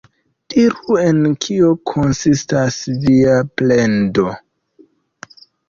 Diru, en kio konsistas via plendo?